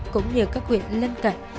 cũng như các huyện lân cận